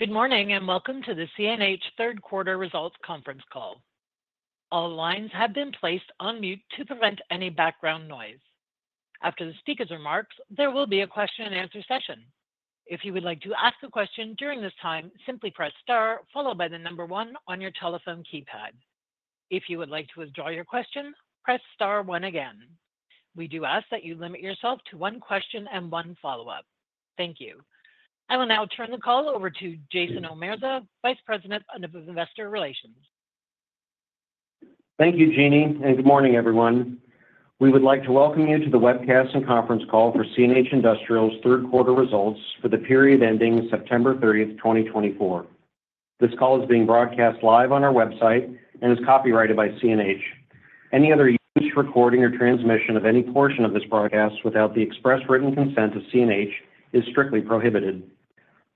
Good morning and welcome to the CNH Third quarter Results Conference Call. All lines have been placed on mute to prevent any background noise. After the speaker's remarks, there will be a question and answer session. If you would like to ask a question during this time, simply press star followed by the number one on your telephone keypad. If you would like to withdraw your question, press star one again. We do ask that you limit yourself to one question and one follow-up. Thank you. I will now turn the call over to Jason Omerza, Vice President of Investor Relations. Thank you, Jeannie, and good morning, everyone. We would like to welcome you to the webcast and conference call for CNH Industrial's third quarter results for the period ending September 30th, 2024. This call is being broadcast live on our website and is copyrighted by CNH. Any other use, recording, or transmission of any portion of this broadcast without the express written consent of CNH is strictly prohibited.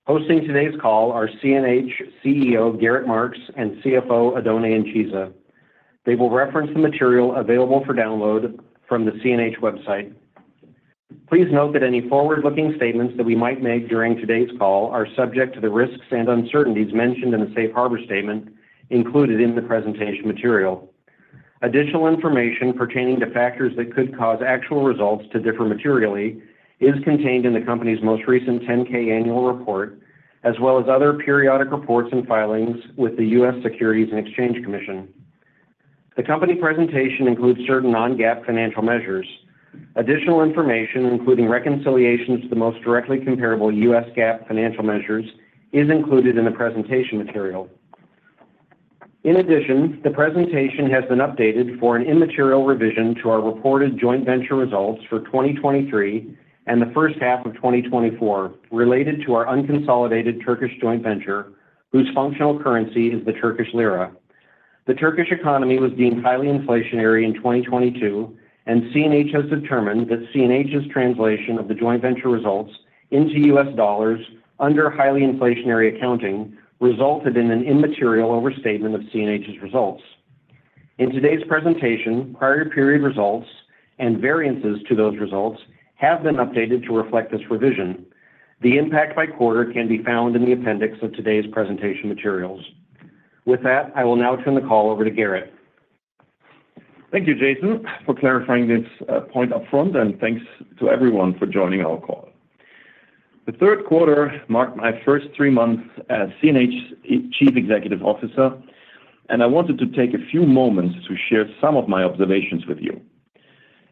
Hosting today's call are CNH CEO, Gerrit Marx, and CFO, Oddone Incisa. They will reference the material available for download from the CNH website. Please note that any forward-looking statements that we might make during today's call are subject to the risks and uncertainties mentioned in the safe harbor statement included in the presentation material. Additional information pertaining to factors that could cause actual results to differ materially is contained in the company's most recent 10-K annual report, as well as other periodic reports and filings with the U.S. Securities and Exchange Commission. The company presentation includes certain non-GAAP financial measures. Additional information, including reconciliations to the most directly comparable U.S. GAAP financial measures, is included in the presentation material. In addition, the presentation has been updated for an immaterial revision to our reported joint venture results for 2023 and the first half of 2024 related to our unconsolidated Turkish joint venture, whose functional currency is the Turkish lira. The Turkish economy was deemed highly inflationary in 2022, and CNH has determined that CNH's translation of the joint venture results into U.S. dollars under highly inflationary accounting resulted in an immaterial overstatement of CNH's results. In today's presentation, prior period results and variances to those results have been updated to reflect this revision. The impact by quarter can be found in the appendix of today's presentation materials. With that, I will now turn the call over to Gerrit. Thank you, Jason, for clarifying this point upfront, and thanks to everyone for joining our call. The third quarter marked my first three months as CNH Chief Executive Officer, and I wanted to take a few moments to share some of my observations with you.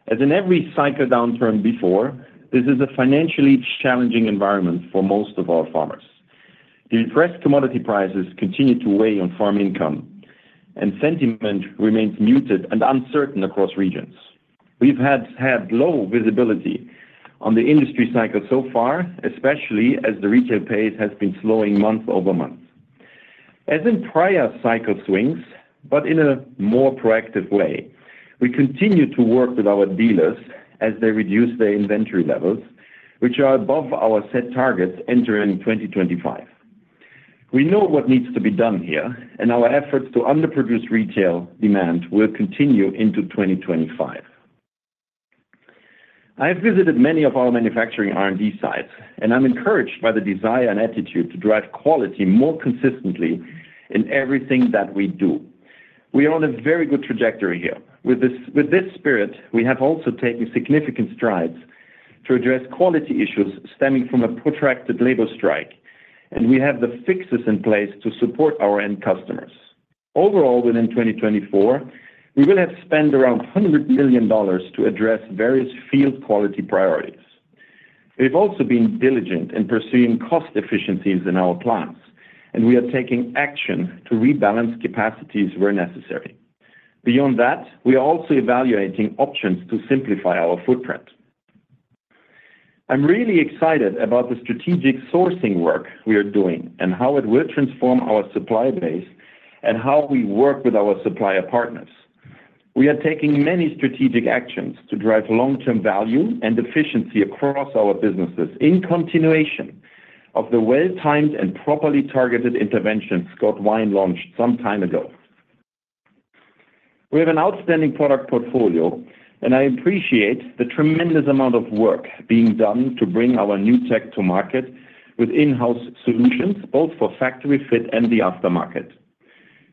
As in every cycle downturn before, this is a financially challenging environment for most of our farmers. The depressed commodity prices continue to weigh on farm income, and sentiment remains muted and uncertain across regions. We've had low visibility on the industry cycle so far, especially as the retail pace has been slowing month over month. As in prior cycle swings, but in a more proactive way, we continue to work with our dealers as they reduce their inventory levels, which are above our set targets entering 2025. We know what needs to be done here, and our efforts to underproduce retail demand will continue into 2025. I have visited many of our manufacturing R&D sites, and I'm encouraged by the desire and attitude to drive quality more consistently in everything that we do. We are on a very good trajectory here. With this spirit, we have also taken significant strides to address quality issues stemming from a protracted labor strike, and we have the fixes in place to support our end customers. Overall, within 2024, we will have spent around $100 million to address various field quality priorities. We've also been diligent in pursuing cost efficiencies in our plants, and we are taking action to rebalance capacities where necessary. Beyond that, we are also evaluating options to simplify our footprint. I'm really excited about the strategic sourcing work we are doing and how it will transform our supply base and how we work with our supplier partners. We are taking many strategic actions to drive long-term value and efficiency across our businesses in continuation of the well-timed and properly targeted interventions Scott Wine launched some time ago. We have an outstanding product portfolio, and I appreciate the tremendous amount of work being done to bring our new tech to market with in-house solutions, both for factory fit and the aftermarket.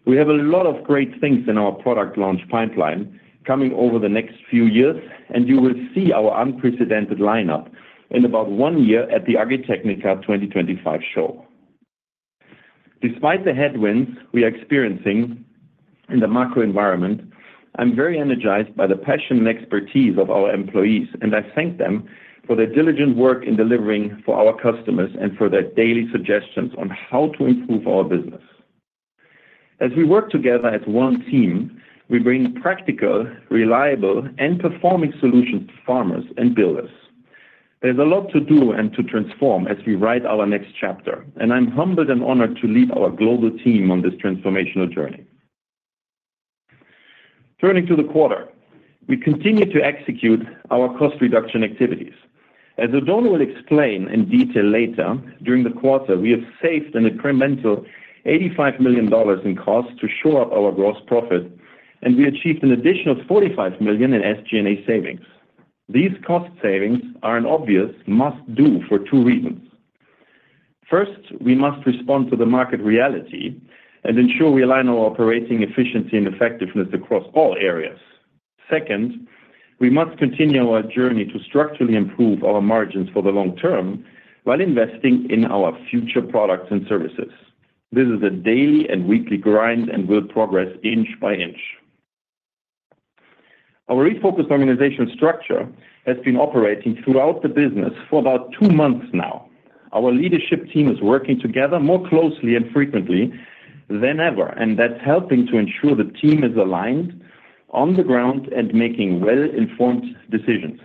We have a lot of great things in our product launch pipeline coming over the next few years, and you will see our unprecedented lineup in about one year at the Agritechnica 2025 show. Despite the headwinds we are experiencing in the macro environment, I'm very energized by the passion and expertise of our employees, and I thank them for their diligent work in delivering for our customers and for their daily suggestions on how to improve our business. As we work together as one team, we bring practical, reliable, and performing solutions to farmers and builders. There's a lot to do and to transform as we write our next chapter, and I'm humbled and honored to lead our global team on this transformational journey. Turning to the quarter, we continue to execute our cost reduction activities. As Oddone will explain in detail later, during the quarter, we have saved an incremental $85 million in costs to shore up our gross profit, and we achieved an additional $45 million in SG&A savings. These cost savings are an obvious must-do for two reasons. First, we must respond to the market reality and ensure we align our operating efficiency and effectiveness across all areas. Second, we must continue our journey to structurally improve our margins for the long term while investing in our future products and services. This is a daily and weekly grind and will progress inch by inch. Our refocused organizational structure has been operating throughout the business for about two months now. Our leadership team is working together more closely and frequently than ever, and that's helping to ensure the team is aligned on the ground and making well-informed decisions.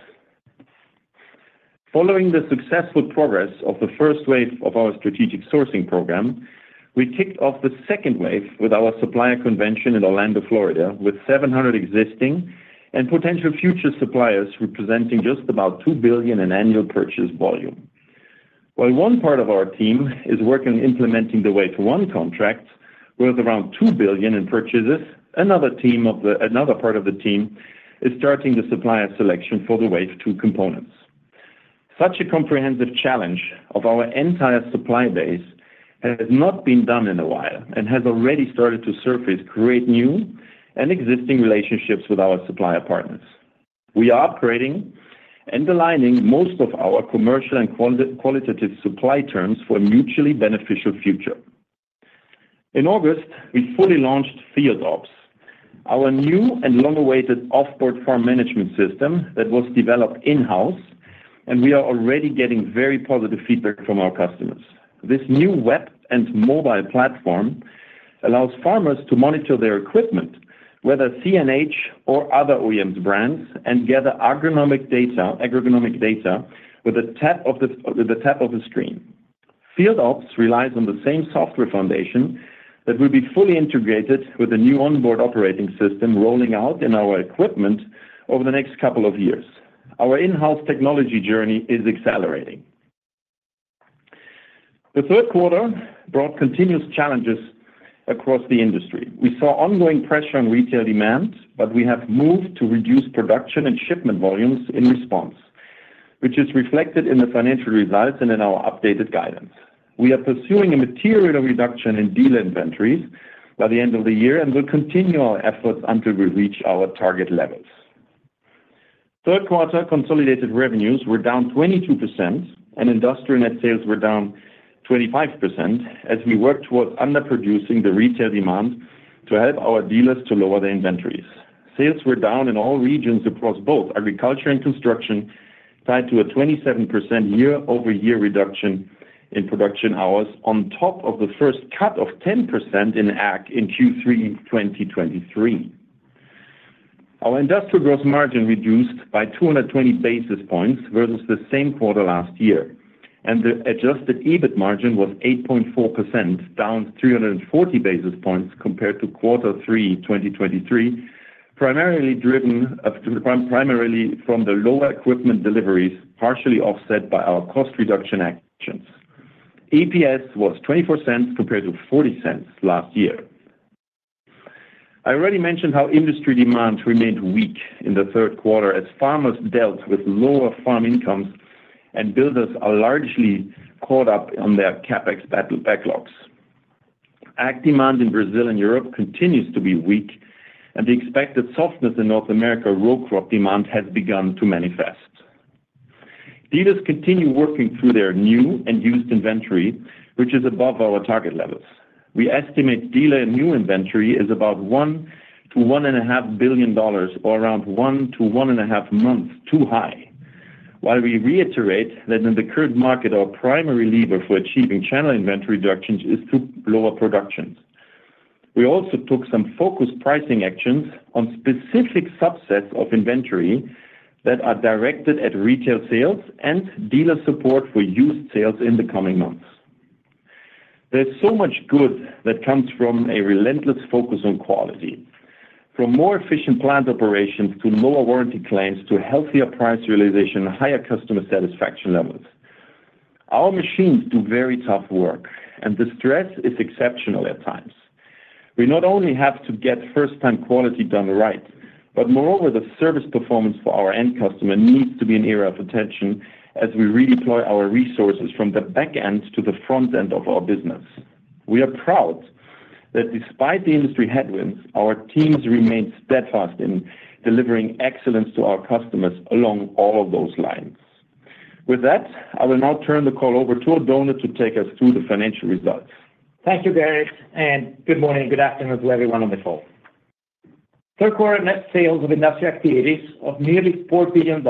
Following the successful progress of the first wave of our strategic sourcing program, we kicked off the second wave with our supplier convention in Orlando, Florida, with 700 existing and potential future suppliers representing just about $2 billion in annual purchase volume. While one part of our team is working on implementing the wave one contract worth around $2 billion in purchases, another part of the team is starting the supplier selection for the wave two components. Such a comprehensive challenge of our entire supply base has not been done in a while and has already started to surface, create new and existing relationships with our supplier partners. We are upgrading and aligning most of our commercial and qualitative supply terms for a mutually beneficial future. In August, we fully launched FieldOps, our new and long-awaited offboard farm management system that was developed in-house, and we are already getting very positive feedback from our customers. This new web and mobile platform allows farmers to monitor their equipment, whether CNH or other OEMs' brands, and gather agronomic data with the tap of a screen. FieldOps relies on the same software foundation that will be fully integrated with the new onboard operating system rolling out in our equipment over the next couple of years. Our in-house technology journey is accelerating. The third quarter brought continuous challenges across the industry. We saw ongoing pressure on retail demand, but we have moved to reduce production and shipment volumes in response, which is reflected in the financial results and in our updated guidance. We are pursuing a material reduction in dealer inventories by the end of the year and will continue our efforts until we reach our target levels. Third quarter consolidated revenues were down 22%, and industrial net sales were down 25% as we worked towards underproducing the retail demand to help our dealers to lower their inventories. Sales were down in all regions across both agriculture and construction, tied to a 27% year-over-year reduction in production hours on top of the first cut of 10% in Ag in Q3 2023. Our industrial gross margin reduced by 220 basis points versus the same quarter last year, and the adjusted EBIT margin was 8.4%, down 340 basis points compared to quarter three 2023, primarily driven from the lower equipment deliveries, partially offset by our cost reduction actions. EPS was $0.24 compared to $0.40 last year. I already mentioned how industry demand remained weak in the third quarter as farmers dealt with lower farm incomes and builders are largely caught up on their CapEx backlogs. Ag demand in Brazil and Europe continues to be weak, and the expected softness in North America row crop demand has begun to manifest. Dealers continue working through their new and used inventory, which is above our target levels. We estimate dealer new inventory is about $1-$1.5 billion, or around 1-1.5 months too high, while we reiterate that in the current market, our primary lever for achieving channel inventory reductions is through lower productions. We also took some focused pricing actions on specific subsets of inventory that are directed at retail sales and dealer support for used sales in the coming months. There's so much good that comes from a relentless focus on quality, from more efficient plant operations to lower warranty claims to healthier price realization and higher customer satisfaction levels. Our machines do very tough work, and the stress is exceptional at times. We not only have to get first-time quality done right, but moreover, the service performance for our end customer needs to be an area of attention as we redeploy our resources from the back end to the front end of our business. We are proud that despite the industry headwinds, our teams remain steadfast in delivering excellence to our customers along all of those lines. With that, I will now turn the call over to Oddone to take us through the financial results. Thank you, Gerrit, and good morning and good afternoon to everyone on the phone. Third quarter net sales of industrial activities of nearly $4 billion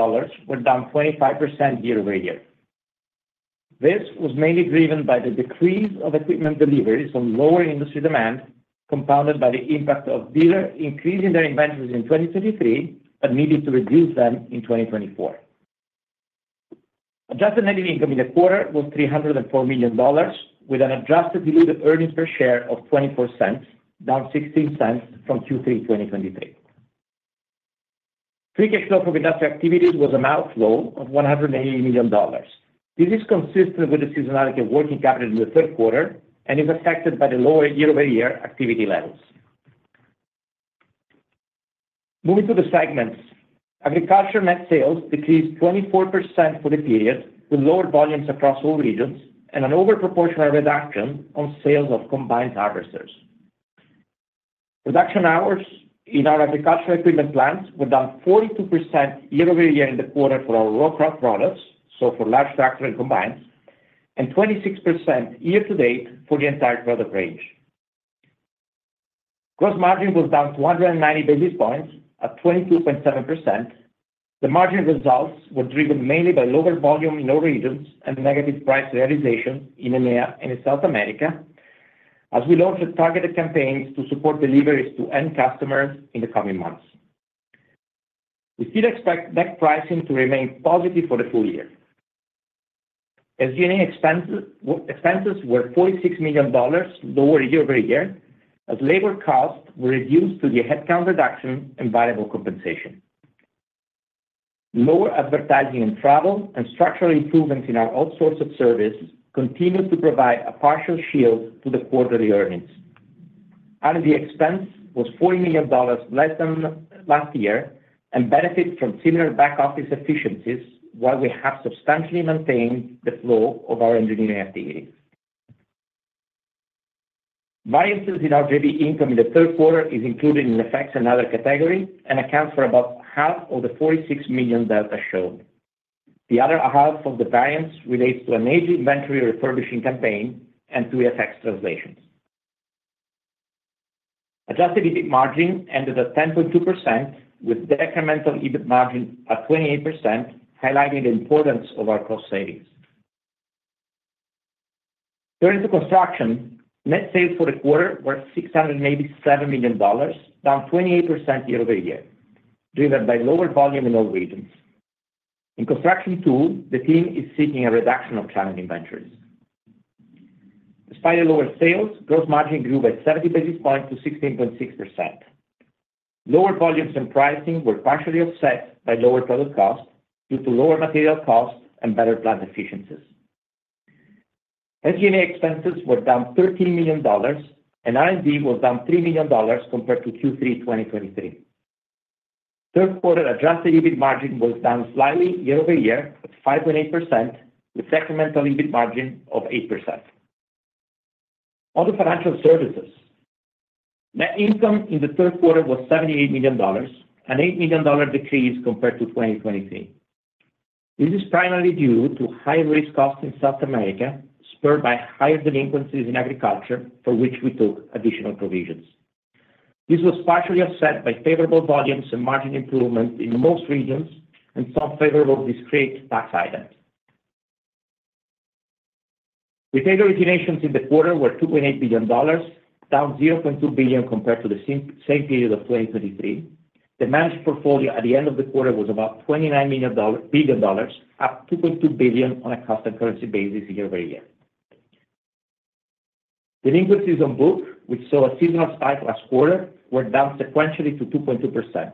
were down 25% year-over-year. This was mainly driven by the decrease of equipment deliveries and lower industry demand, compounded by the impact of dealers increasing their inventories in 2023 but needing to reduce them in 2024. Adjusted net income in the quarter was $304 million, with an adjusted diluted earnings per share of $0.24, down $0.16 from Q3 2023. Free cash flow from industrial activities was an outflow of $180 million. This is consistent with the seasonality of working capital in the third quarter and is affected by the lower year-over-year activity levels. Moving to the segments, agriculture net sales decreased 24% for the period, with lower volumes across all regions and a disproportionate reduction in sales of combine harvesters. Production hours in our agricultural equipment plants were down 42% year-over-year in the quarter for our row crop products, so for large tractor and combines, and 26% year to date for the entire product range. Gross margin was down 290 basis points, at 22.7%. The margin results were driven mainly by lower volume in all regions and negative price realization in EMEA and in South America, as we launched targeted campaigns to support deliveries to end customers in the coming months. We still expect net pricing to remain positive for the full year. SG&A expenses were $46 million lower year-over-year as labor costs were reduced to the headcount reduction and variable compensation. Lower advertising and travel and structural improvements in our outsourced services continue to provide a partial shield to the quarterly earnings. R&D expense was $40 million less than last year and benefits from similar back office efficiencies, while we have substantially maintained the flow of our engineering activities. Variance in our debt income in the third quarter is included in FX and other categories and accounts for about half of the $46 million that was shown. The other half of the variance relates to an aged inventory refurbishing campaign and to FX translations. Adjusted EBIT margin ended at 10.2%, with decremental EBIT margin at 28%, highlighting the importance of our cost savings. Turning to construction, net sales for the quarter were $687 million, down 28% year-over-year, driven by lower volume in all regions. In construction too, the team is seeking a reduction of channel inventories. Despite the lower sales, gross margin grew by 70 basis points to 16.6%. Lower volumes and pricing were partially offset by lower product costs due to lower material costs and better plant efficiencies. SG&A expenses were down $13 million, and R&D was down $3 million compared to Q3 2023. Third quarter adjusted EBIT margin was down slightly year-over-year, at 5.8%, with decremental EBIT margin of 8%. On the financial services, net income in the third quarter was $78 million, an $8 million decrease compared to 2023. This is primarily due to high risk costs in South America spurred by higher delinquencies in agriculture, for which we took additional provisions. This was partially offset by favorable volumes and margin improvements in most regions and some favorable discrete tax items. Retail originations in the quarter were $2.8 billion, down $0.2 billion compared to the same period of 2023. The managed portfolio at the end of the quarter was about $29 billion, up $2.2 billion on a cost and currency basis year-over-year. Delinquencies on book, which saw a seasonal spike last quarter, were down sequentially to 2.2%.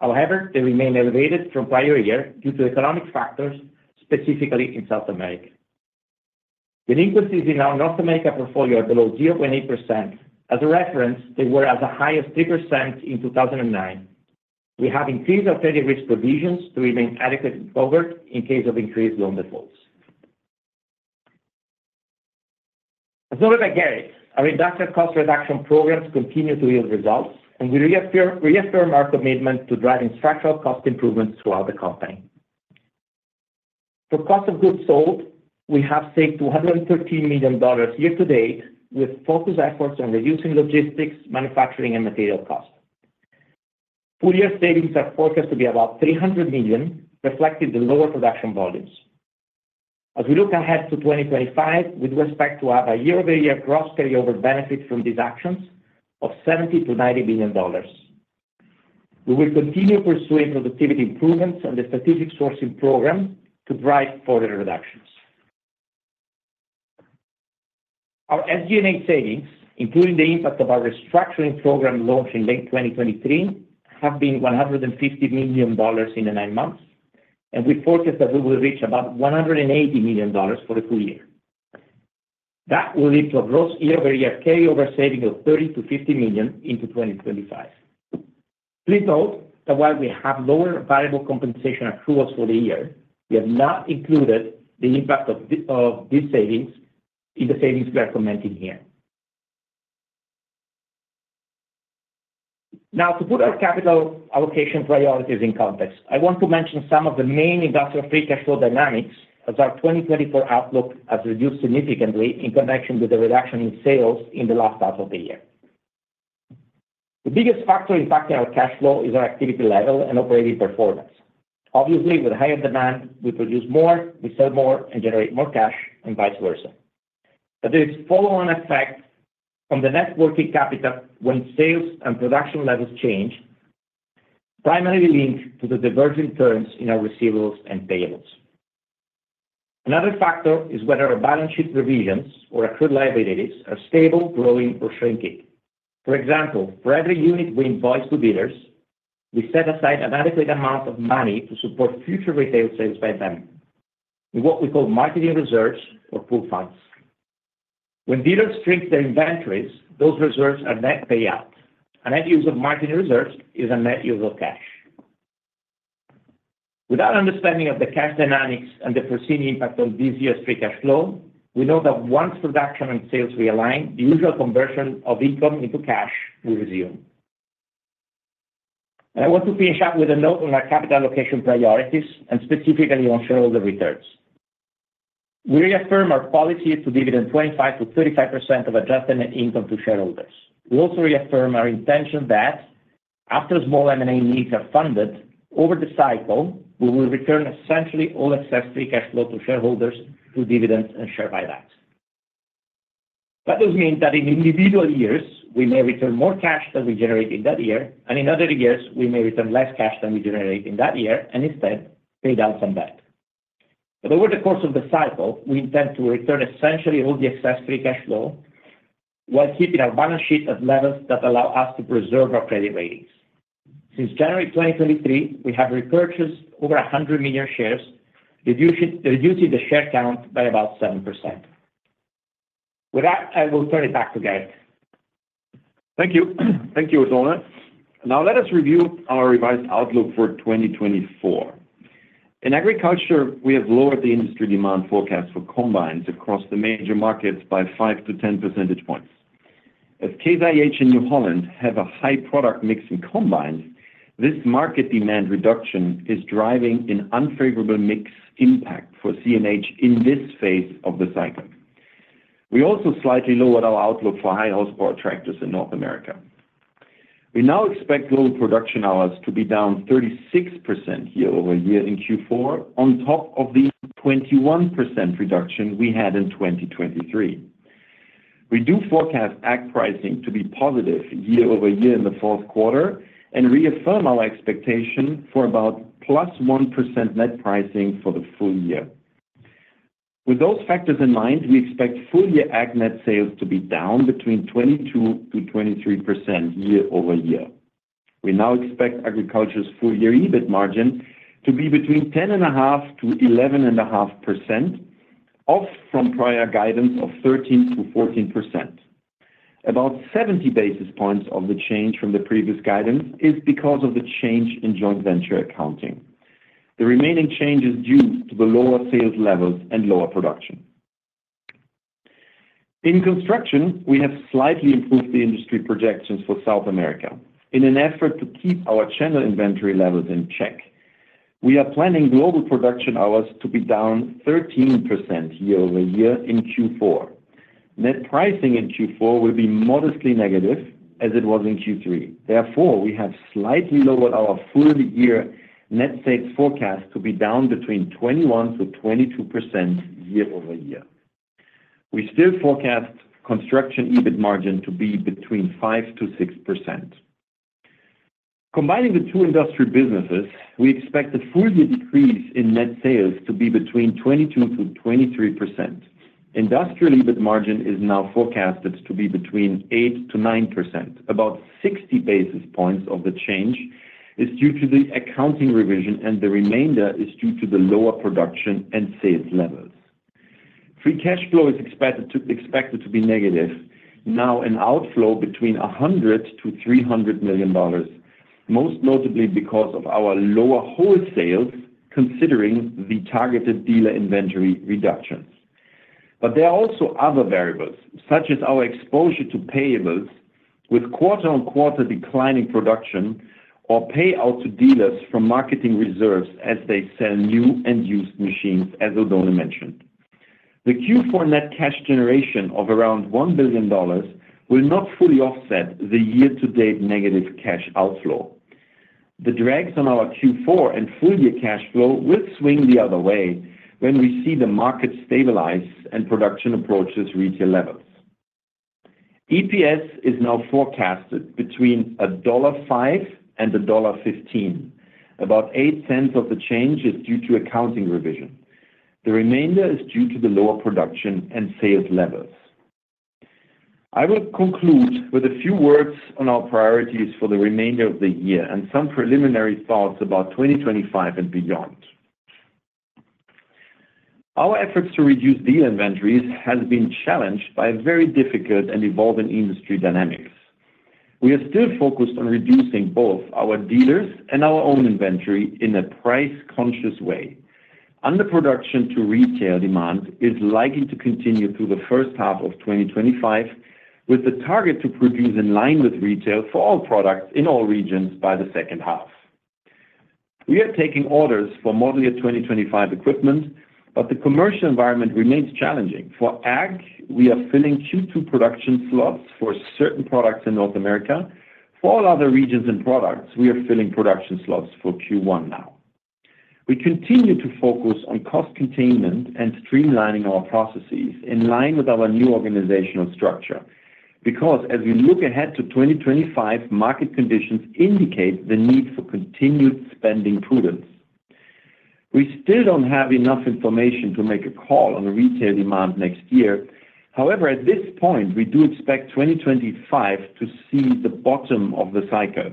However, they remain elevated from prior year due to economic factors, specifically in South America. Delinquencies in our North America portfolio are below 0.8%. As a reference, they were at the highest 3% in 2009. We have increased alternative risk provisions to remain adequately covered in case of increased loan defaults. As noted by Gerrit, our inductive cost reduction programs continue to yield results, and we reaffirm our commitment to driving structural cost improvements throughout the company. For cost of goods sold, we have saved $213 million year to date, with focused efforts on reducing logistics, manufacturing, and material costs. Full year savings are forecast to be about $300 million, reflecting the lower production volumes. As we look ahead to 2025, we do expect to have a year-over-year gross carryover benefit from these actions of $70 million-$90 million. We will continue pursuing productivity improvements and the strategic sourcing program to drive further reductions. Our SG&A savings, including the impact of our restructuring program launched in late 2023, have been $150 million in the nine months, and we forecast that we will reach about $180 million for the full year. That will lead to a gross year-over-year carryover saving of $30 million-$50 million into 2025. Please note that while we have lower variable compensation accruals for the year, we have not included the impact of these savings in the savings we are commenting here. Now, to put our capital allocation priorities in context, I want to mention some of the main industrial free cash flow dynamics, as our 2024 outlook has reduced significantly in connection with the reduction in sales in the last half of the year. The biggest factor impacting our cash flow is our activity level and operating performance. Obviously, with higher demand, we produce more, we sell more, and generate more cash, and vice versa. But there is a follow-on effect from the net working capital when sales and production levels change, primarily linked to the divergent terms in our receivables and payables. Another factor is whether our balance sheet provisions or accrued liabilities are stable, growing, or shrinking. For example, for every unit we invoice to dealers, we set aside an adequate amount of money to support future retail sales by them in what we call marketing reserves or pool funds. When dealers shrink their inventories, those reserves are net payout. A net use of marketing reserves is a net use of cash. With our understanding of the cash dynamics and the perceived impact on this year's free cash flow, we know that once production and sales realign, the usual conversion of income into cash will resume, and I want to finish up with a note on our capital allocation priorities and specifically on shareholder returns. We reaffirm our policy to dividend 25%-35% of adjusted net income to shareholders. We also reaffirm our intention that after small M&A needs are funded, over the cycle, we will return essentially all excess free cash flow to shareholders through dividends and share buybacks. That does mean that in individual years, we may return more cash than we generated that year, and in other years, we may return less cash than we generated in that year and instead pay down some debt. But over the course of the cycle, we intend to return essentially all the excess free cash flow while keeping our balance sheet at levels that allow us to preserve our credit ratings. Since January 2023, we have repurchased over 100 million shares, reducing the share count by about 7%. With that, I will turn it back to Gerrit. Thank you. Thank you, Oddone. Now, let us review our revised outlook for 2024. In agriculture, we have lowered the industry demand forecast for combines across the major markets by 5-10 percentage points. As Case IH and New Holland have a high product mix in combines, this market demand reduction is driving an unfavorable mix impact for CNH in this phase of the cycle. We also slightly lowered our outlook for high horsepower tractors in North America. We now expect global production hours to be down 36% year-over-year in Q4, on top of the 21% reduction we had in 2023. We do forecast Ag pricing to be positive year-over-year in the fourth quarter and reaffirm our expectation for about +1% net pricing for the full year. With those factors in mind, we expect full year Ag net sales to be down between 22%-23% year-over-year. We now expect agriculture's full year EBIT margin to be between 10.5%-11.5%, off from prior guidance of 13%-14%. About 70 basis points of the change from the previous guidance is because of the change in joint venture accounting. The remaining change is due to the lower sales levels and lower production. In construction, we have slightly improved the industry projections for South America. In an effort to keep our channel inventory levels in check, we are planning global production hours to be down 13% year-over-year in Q4. Net pricing in Q4 will be modestly negative as it was in Q3. Therefore, we have slightly lowered our full year net sales forecast to be down between 21%-22% year-over -year. We still forecast construction EBIT margin to be between 5%-6%. Combining the two industry businesses, we expect the full year decrease in net sales to be between 22%-23%. Industrial EBIT margin is now forecasted to be between 8%-9%. About 60 basis points of the change is due to the accounting revision, and the remainder is due to the lower production and sales levels. Free cash flow is expected to be negative, now an outflow between $100-$300 million, most notably because of our lower wholesales considering the targeted dealer inventory reductions. But there are also other variables, such as our exposure to payables with quarter-on-quarter declining production or payout to dealers from marketing reserves as they sell new and used machines, as Oddone mentioned. The Q4 net cash generation of around $1 billion will not fully offset the year-to-date negative cash outflow. The drags on our Q4 and full year cash flow will swing the other way when we see the market stabilize and production approaches retail levels. EPS is now forecasted between $1.05 and $1.15. About 8% of the change is due to accounting revision. The remainder is due to the lower production and sales levels. I will conclude with a few words on our priorities for the remainder of the year and some preliminary thoughts about 2025 and beyond. Our efforts to reduce dealer inventories have been challenged by very difficult and evolving industry dynamics. We are still focused on reducing both our dealers and our own inventory in a price-conscious way. Underproduction to retail demand is likely to continue through the first half of 2025, with the target to produce in line with retail for all products in all regions by the second half. We are taking orders for model year 2025 equipment, but the commercial environment remains challenging. For Ag, we are filling Q2 production slots for certain products in North America. For all other regions and products, we are filling production slots for Q1 now. We continue to focus on cost containment and streamlining our processes in line with our new organizational structure because, as we look ahead to 2025, market conditions indicate the need for continued spending prudence. We still don't have enough information to make a call on retail demand next year. However, at this point, we do expect 2025 to see the bottom of the cycle.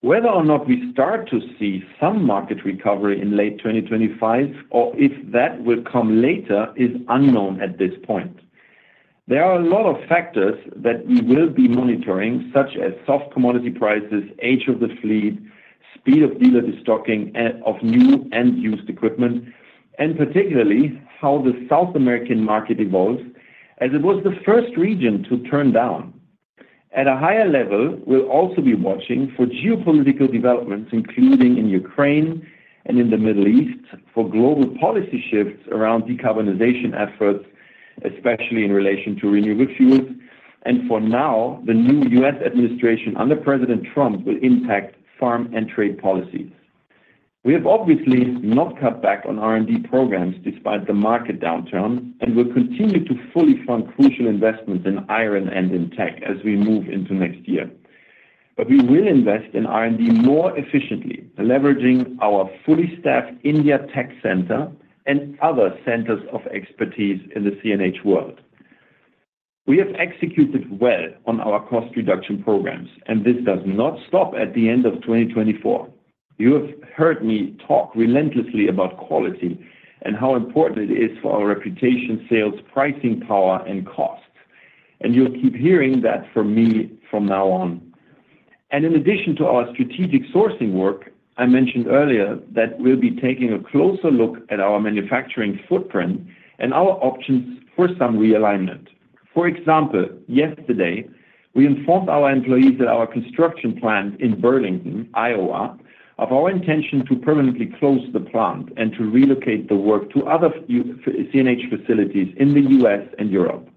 Whether or not we start to see some market recovery in late 2025 or if that will come later is unknown at this point. There are a lot of factors that we will be monitoring, such as soft commodity prices, age of the fleet, speed of dealer restocking of new and used equipment, and particularly how the South American market evolves as it was the first region to turn down. At a higher level, we'll also be watching for geopolitical developments, including in Ukraine and in the Middle East, for global policy shifts around decarbonization efforts, especially in relation to renewable fuels, and for now, the new U.S. administration under President Trump will impact farm and trade policies. We have obviously not cut back on R&D programs despite the market downturn, and we'll continue to fully fund crucial investments in iron and in tech as we move into next year, but we will invest in R&D more efficiently, leveraging our fully staffed India Tech Center and other centers of expertise in the CNH world. We have executed well on our cost reduction programs, and this does not stop at the end of 2024. You have heard me talk relentlessly about quality and how important it is for our reputation, sales, pricing power, and costs, and you'll keep hearing that from me from now on. In addition to our strategic sourcing work, I mentioned earlier that we'll be taking a closer look at our manufacturing footprint and our options for some realignment. For example, yesterday, we informed our employees at our construction plant in Burlington, Iowa, of our intention to permanently close the plant and to relocate the work to other CNH facilities in the U.S. and Europe.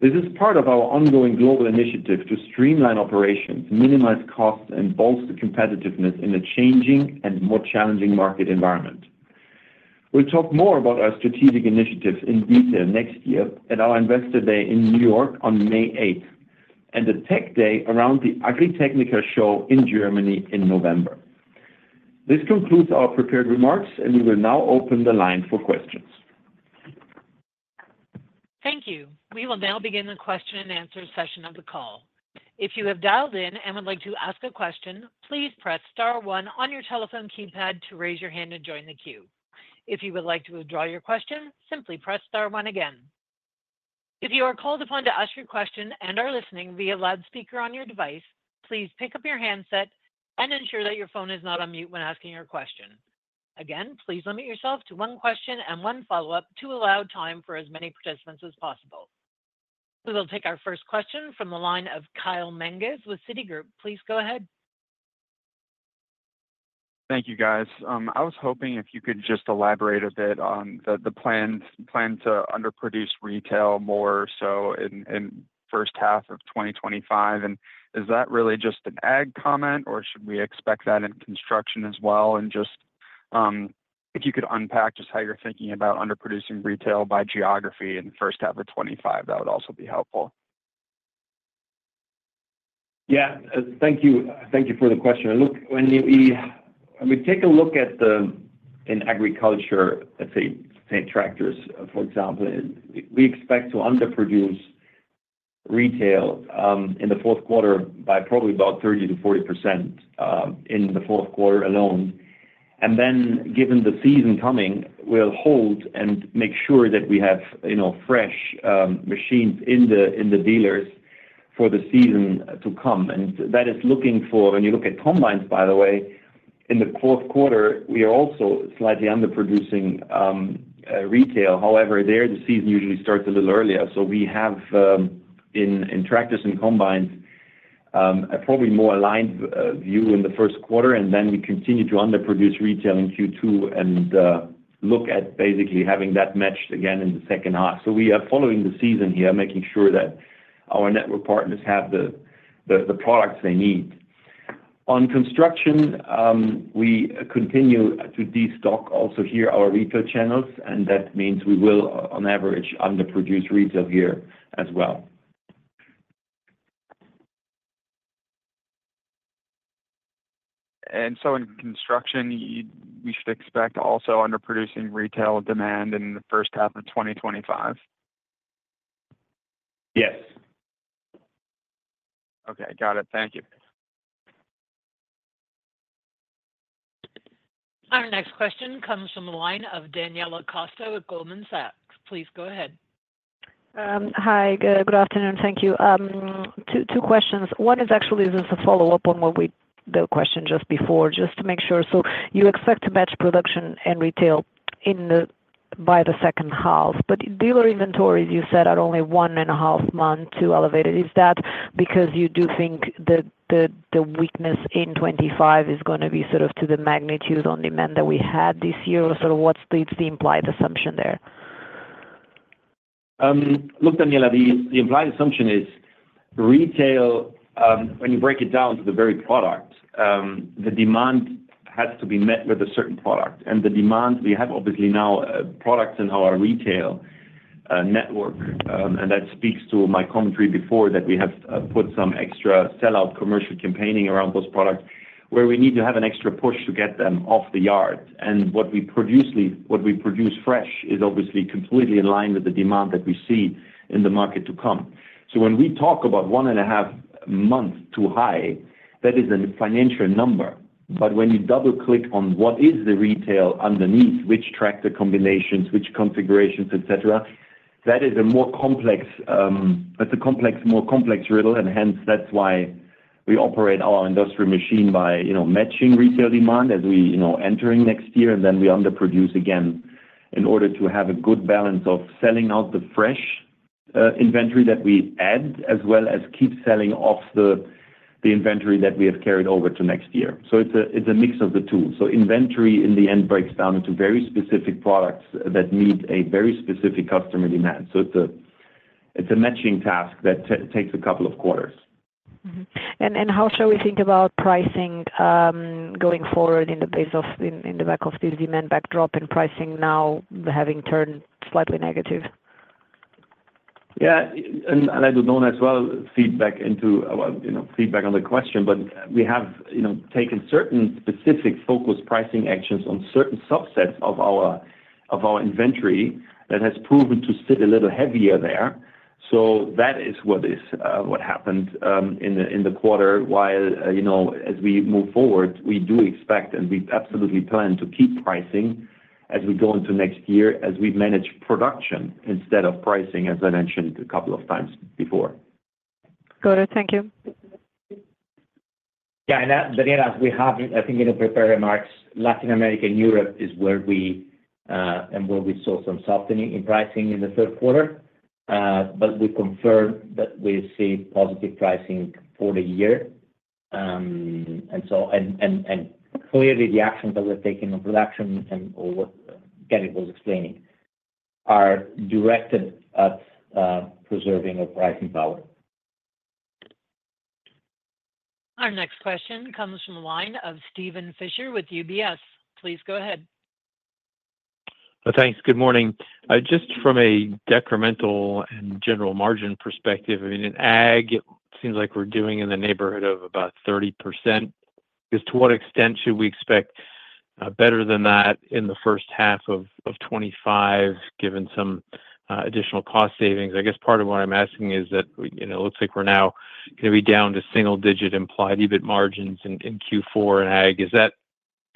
This is part of our ongoing global initiative to streamline operations, minimize costs, and bolster competitiveness in a changing and more challenging market environment. We'll talk more about our strategic initiatives in detail next year at our Investor Day in New York on May 8th and the Tech Day around the Agritechnica show in Germany in November. This concludes our prepared remarks, and we will now open the line for questions. Thank you. We will now begin the question and answer session of the call. If you have dialed in and would like to ask a question, please press star one on your telephone keypad to raise your hand and join the queue. If you would like to withdraw your question, simply press star one again. If you are called upon to ask your question and are listening via loudspeaker on your device, please pick up your handset and ensure that your phone is not on mute when asking your question. Again, please limit yourself to one question and one follow-up to allow time for as many participants as possible. We will take our first question from the line of Kyle Menges with Citigroup. Please go ahead. Thank you, guys. I was hoping if you could just elaborate a bit on the plan to underproduce retail more so in the first half of 2025. And is that really just an Ag comment, or should we expect that in construction as well? And just if you could unpack just how you're thinking about underproducing retail by geography in the first half of 2025, that would also be helpful. Yeah. Thank you. Thank you for the question. Look, when we take a look in agriculture, let's say tractors, for example, we expect to underproduce retail in the fourth quarter by probably about 30%-40% in the fourth quarter alone. And then, given the season coming, we'll hold and make sure that we have fresh machines in the dealers for the season to come. And that is looking forward, when you look at combines, by the way, in the fourth quarter, we are also slightly underproducing retail. However, there, the season usually starts a little earlier. So we have in tractors and combines a probably more aligned view in the first quarter, and then we continue to underproduce retail in Q2 and look at basically having that matched again in the second half. So we are following the season here, making sure that our network partners have the products they need. On construction, we continue to destock also here our retail channels, and that means we will, on average, underproduce retail here as well. In construction, we should expect also underproducing retail demand in the first half of 2025? Yes. Okay. Got it. Thank you. Our next question comes from the line of Daniela Costa with Goldman Sachs. Please go ahead. Hi. Good afternoon. Thank you. Two questions. One is actually just a follow-up on the question just before, just to make sure. So you expect to match production and retail by the second half, but dealer inventories, you said, are only one and a half months too elevated. Is that because you do think the weakness in 2025 is going to be sort of to the magnitude of demand that we had this year, or sort of what's the implied assumption there? Look, Daniela, the implied assumption is retail, when you break it down to the very product, the demand has to be met with a certain product. And the demand, we have obviously now products in our retail network, and that speaks to my commentary before that we have put some extra sellout commercial campaigning around those products where we need to have an extra push to get them off the yard. And what we produce fresh is obviously completely in line with the demand that we see in the market to come. So when we talk about one and a half months too high, that is a financial number. When you double-click on what is the retail underneath, which tractor combinations, which configurations, etc., that is a more complex riddle, and hence that's why we operate our industrial machine by matching retail demand as we're entering next year, and then we underproduce again in order to have a good balance of selling out the fresh inventory that we add as well as keep selling off the inventory that we have carried over to next year. So it's a mix of the two. So inventory, in the end, breaks down into very specific products that meet a very specific customer demand. So it's a matching task that takes a couple of quarters. How shall we think about pricing going forward against the backdrop of this demand and pricing now having turned slightly negative? Yeah. And I don't know as well feedback on the question, but we have taken certain specific focused pricing actions on certain subsets of our inventory that has proven to sit a little heavier there. So that is what happened in the quarter. While, as we move forward, we do expect and we absolutely plan to keep pricing as we go into next year as we manage production instead of pricing, as I mentioned a couple of times before. Got it. Thank you. Yeah. And Daniella, we have, I think, in the prepared remarks, Latin America and Europe is where we and where we saw some softening in pricing in the third quarter, but we confirm that we see positive pricing for the year. And so clearly, the actions that we're taking on production and what Gerrit was explaining are directed at preserving our pricing power. Our next question comes from the line of Steven Fisher with UBS. Please go ahead. Thanks. Good morning. Just from a decremental and gross margin perspective, I mean, in AG, it seems like we're doing in the neighborhood of about 30%. Just to what extent should we expect better than that in the first half of 2025, given some additional cost savings? I guess part of what I'm asking is that it looks like we're now going to be down to single-digit implied EBIT margins in Q4 in AG. Is that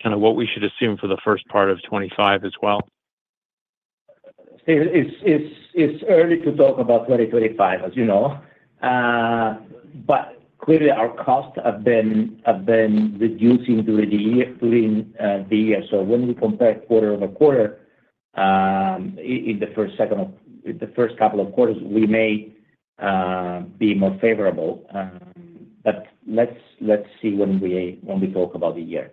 kind of what we should assume for the first part of 2025 as well? It's early to talk about 2025, as you know, but clearly, our costs have been reducing during the year. So when we compare quarter over quarter in the first couple of quarters, we may be more favorable. But let's see when we talk about the year.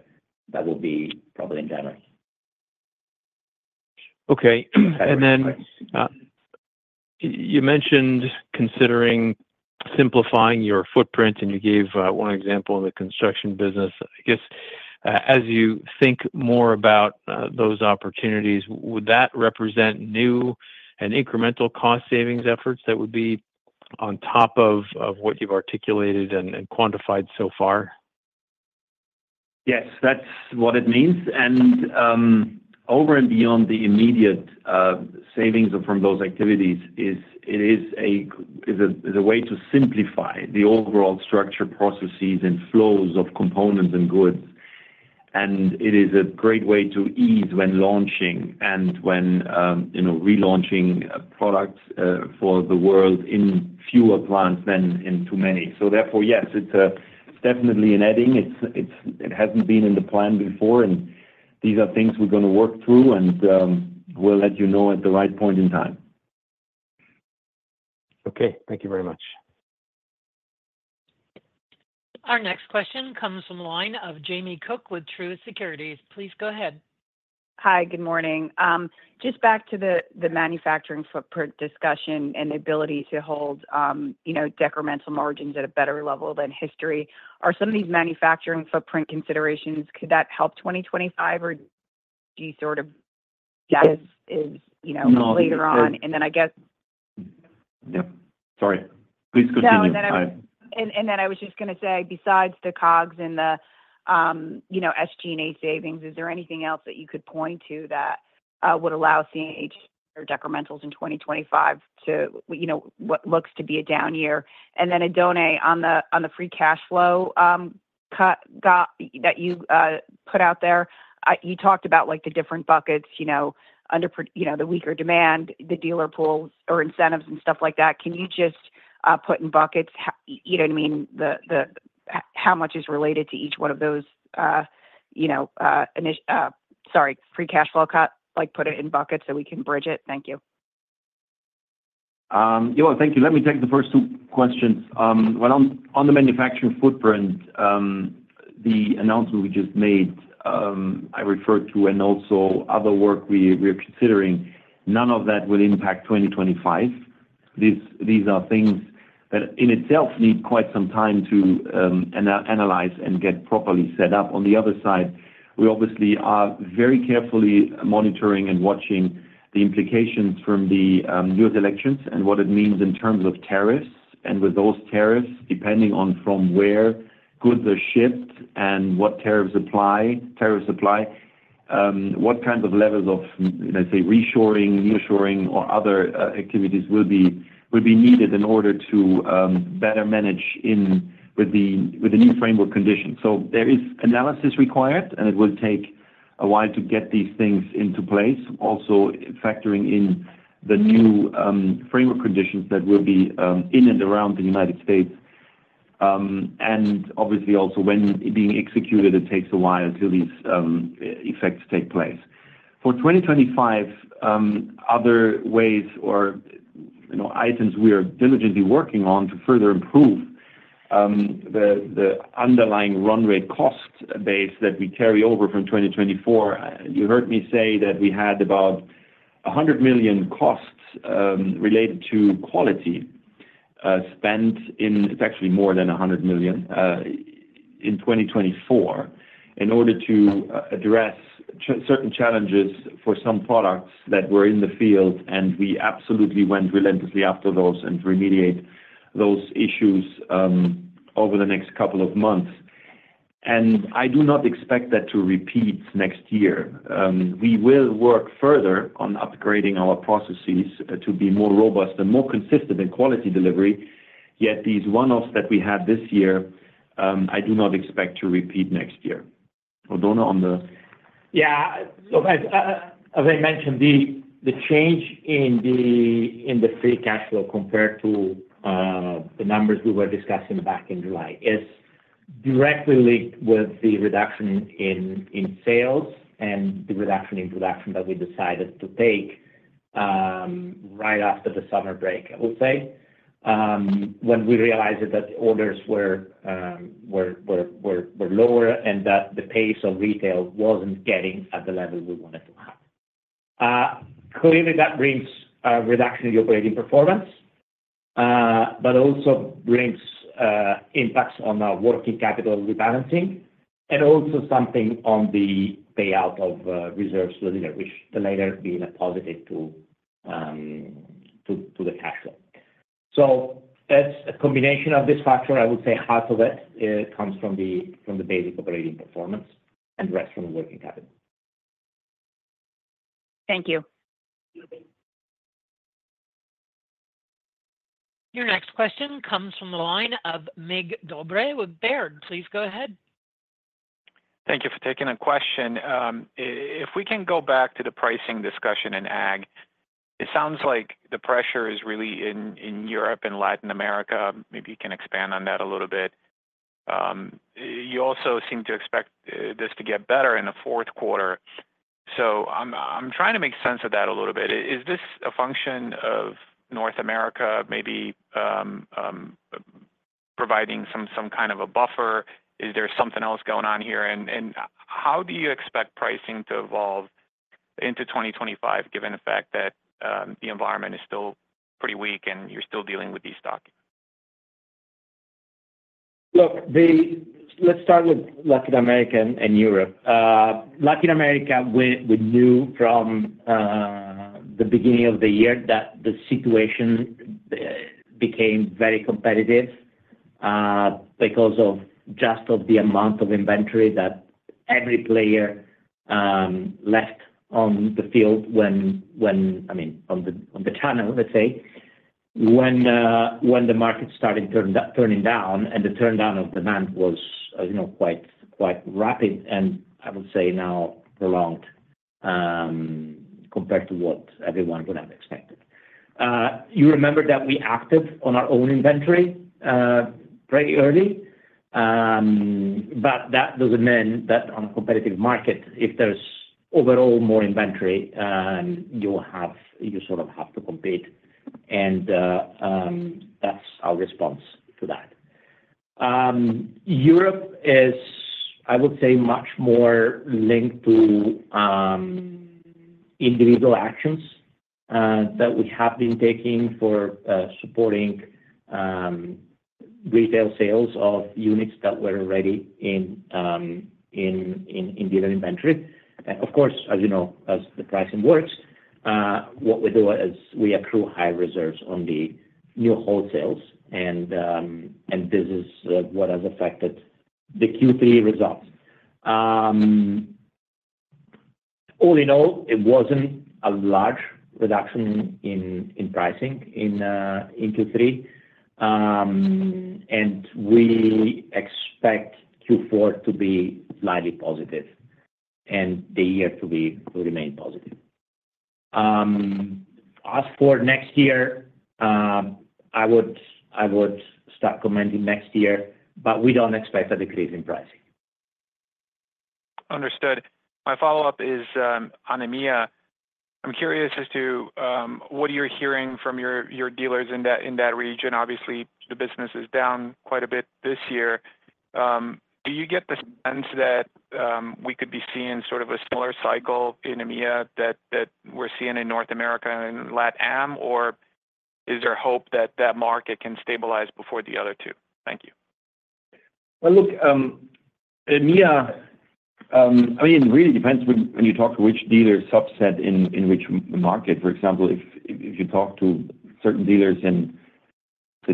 That will be probably in January. Okay. And then you mentioned considering simplifying your footprint, and you gave one example in the construction business. I guess as you think more about those opportunities, would that represent new and incremental cost savings efforts that would be on top of what you've articulated and quantified so far? Yes, that's what it means, and over and beyond the immediate savings from those activities, it is a way to simplify the overall structure, processes, and flows of components and goods, and it is a great way to ease when launching and when relaunching products for the world in fewer plants than in too many, so therefore, yes, it's definitely an adding. It hasn't been in the plan before, and these are things we're going to work through, and we'll let you know at the right point in time. Okay. Thank you very much. Our next question comes from the line of Jamie Cook with Truist Securities. Please go ahead. Hi. Good morning. Just back to the manufacturing footprint discussion and the ability to hold decremental margins at a better level than history, are some of these manufacturing footprint considerations. Could that help 2025, or do you sort of? No. Is later on? And then I guess. Yep. Sorry. Please continue. No. And then I was just going to say, besides the COGS and the SG&A savings, is there anything else that you could point to that would allow CNH decrementals in 2025 to what looks to be a down year? And then Oddone, on the free cash flow that you put out there, you talked about the different buckets, the weaker demand, the dealer pools, or incentives and stuff like that. Can you just put in buckets, you know what I mean, how much is related to each one of those? Sorry, free cash flow cut, put it in buckets so we can bridge it. Thank you. Yeah. Thank you. Let me take the first two questions, well, on the manufacturing footprint, the announcement we just made, I referred to, and also other work we are considering, none of that will impact 2025. These are things that in itself need quite some time to analyze and get properly set up. On the other side, we obviously are very carefully monitoring and watching the implications from the U.S. elections and what it means in terms of tariffs, and with those tariffs, depending on from where goods are shipped and what tariffs apply, what kinds of levels of, let's say, reshoring, nearshoring, or other activities will be needed in order to better manage with the new framework conditions. So there is analysis required, and it will take a while to get these things into place, also factoring in the new framework conditions that will be in and around the United States. And obviously, also when being executed, it takes a while until these effects take place. For 2025, other ways or items we are diligently working on to further improve the underlying run rate cost base that we carry over from 2024. You heard me say that we had about $100 million costs related to quality spent in. It's actually more than $100 million in 2024 in order to address certain challenges for some products that were in the field, and we absolutely went relentlessly after those and to remediate those issues over the next couple of months. And I do not expect that to repeat next year. We will work further on upgrading our processes to be more robust and more consistent in quality delivery, yet these one-offs that we had this year. I do not expect to repeat next year. Oddone. Yeah. So as I mentioned, the change in the free cash flow compared to the numbers we were discussing back in July is directly linked with the reduction in sales and the reduction in production that we decided to take right after the summer break, I would say, when we realized that the orders were lower and that the pace of retail wasn't getting at the level we wanted to have. Clearly, that brings a reduction in the operating performance, but also brings impacts on our working capital rebalancing and also something on the payout of reserves to the dealer, which the dealer being a positive to the cash flow. So that's a combination of this factor. I would say half of it comes from the basic operating performance and the rest from the working capital. Thank you. Your next question comes from the line of Mig Dobre with Baird. Please go ahead. Thank you for taking the question. If we can go back to the pricing discussion in AG, it sounds like the pressure is really in Europe and Latin America. Maybe you can expand on that a little bit. You also seem to expect this to get better in the fourth quarter. So I'm trying to make sense of that a little bit. Is this a function of North America maybe providing some kind of a buffer? Is there something else going on here? And how do you expect pricing to evolve into 2025, given the fact that the environment is still pretty weak and you're still dealing with these stocks? Look, let's start with Latin America and Europe. Latin America knew from the beginning of the year that the situation became very competitive because of just the amount of inventory that every player left on the field when, I mean, on the channel, let's say, when the market started turning down, and the turndown of demand was quite rapid and, I would say, now prolonged compared to what everyone would have expected. You remember that we acted on our own inventory pretty early, but that doesn't mean that on a competitive market, if there's overall more inventory, you sort of have to compete. And that's our response to that. Europe is, I would say, much more linked to individual actions that we have been taking for supporting retail sales of units that were already in dealer inventory. Of course, as you know, as the pricing works, what we do is we accrue high reserves on the new wholesales, and this is what has affected the Q3 results. All in all, it wasn't a large reduction in pricing in Q3, and we expect Q4 to be slightly positive and the year to remain positive. As for next year, I would start commenting next year, but we don't expect a decrease in pricing. Understood. My follow-up is on EMEA. I'm curious as to what you're hearing from your dealers in that region. Obviously, the business is down quite a bit this year. Do you get the sense that we could be seeing sort of a similar cycle in EMEA that we're seeing in North America and LATAM, or is there hope that that market can stabilize before the other two? Thank you. Look, EMEA. I mean, it really depends when you talk to which dealer subset in which market. For example, if you talk to certain dealers in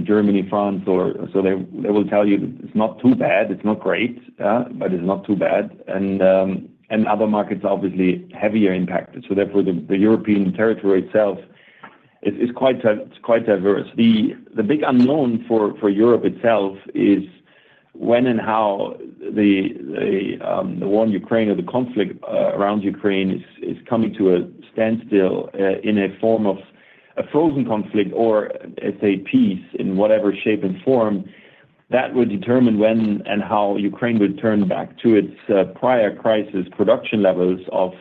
Germany, France, or so, they will tell you it's not too bad. It's not great, but it's not too bad. And other markets are obviously heavier impacted. So therefore, the European territory itself is quite diverse. The big unknown for Europe itself is when and how the war in Ukraine or the conflict around Ukraine is coming to a standstill in a form of a frozen conflict or, let's say, peace in whatever shape and form that would determine when and how Ukraine would turn back to its prior crisis production levels of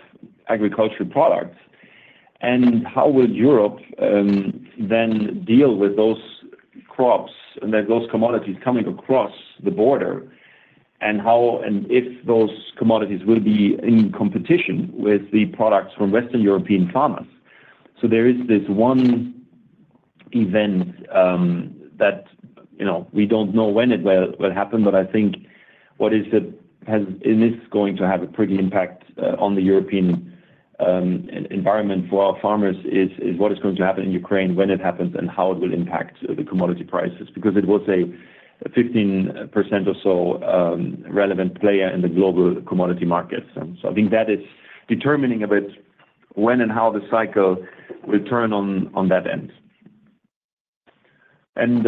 agricultural products. And how will Europe then deal with those crops and those commodities coming across the border, and if those commodities will be in competition with the products from Western European farmers? So there is this one event that we don't know when it will happen, but I think what is going to have a pretty impact on the European environment for our farmers is what is going to happen in Ukraine, when it happens, and how it will impact the commodity prices because it was a 15% or so relevant player in the global commodity markets. So I think that is determining a bit when and how the cycle will turn on that end. And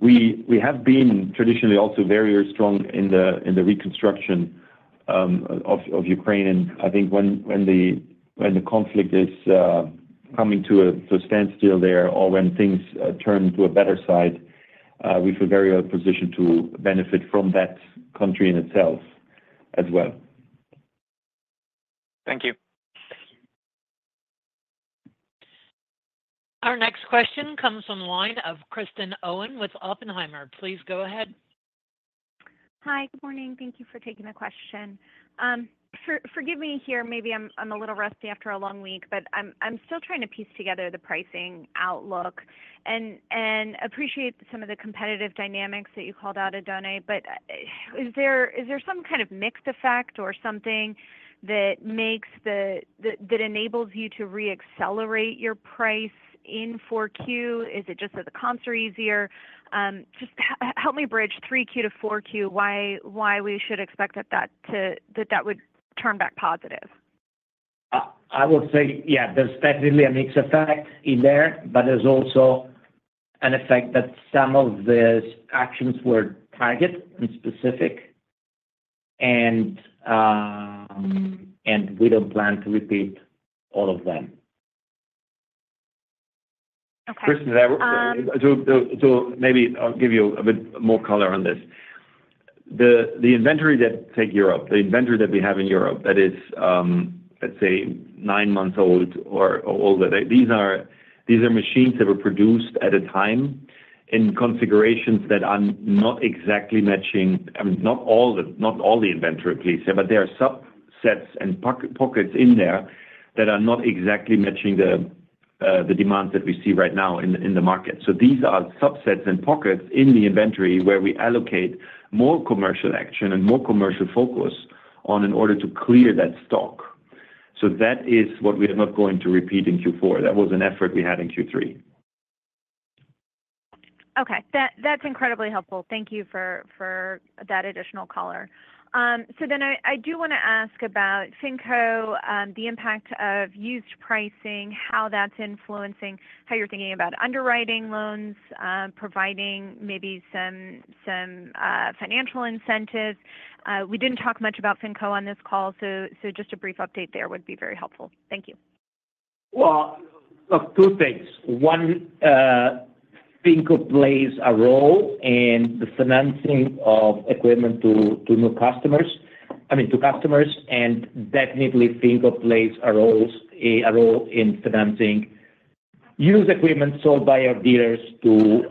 we have been traditionally also very strong in the reconstruction of Ukraine. I think when the conflict is coming to a standstill there or when things turn to a better side, we feel very well positioned to benefit from that country in itself as well. Thank you. Our next question comes from the line of Kristen Owen with Oppenheimer. Please go ahead. Hi. Good morning. Thank you for taking the question. Forgive me here. Maybe I'm a little rusty after a long week, but I'm still trying to piece together the pricing outlook and appreciate some of the competitive dynamics that you called out, Oddone. But is there some kind of mixed effect or something that enables you to re-accelerate your price in 4Q? Is it just that the comps are easier? Just help me bridge 3Q to 4Q, why we should expect that that would turn back positive? I would say, yeah, there's definitely a mixed effect in there, but there's also an effect that some of the actions were targeted and specific, and we don't plan to repeat all of them. Okay. Kristen, so maybe I'll give you a bit more color on this. The inventory that we have in Europe that is, let's say, nine months old or older, these are machines that were produced at a time in configurations that are not exactly matching. Not all the inventory, please, but there are subsets and pockets in there that are not exactly matching the demands that we see right now in the market, so these are subsets and pockets in the inventory where we allocate more commercial action and more commercial focus in order to clear that stock, so that is what we are not going to repeat in Q4. That was an effort we had in Q3. Okay. That's incredibly helpful. Thank you for that additional color. So then I do want to ask about FinCo, the impact of used pricing, how that's influencing how you're thinking about underwriting loans, providing maybe some financial incentives. We didn't talk much about FinCo on this call, so just a brief update there would be very helpful. Thank you. Look, two things. One, FinCo plays a role in the financing of equipment to new customers, I mean, to customers, and definitely FinCo plays a role in financing used equipment sold by our dealers to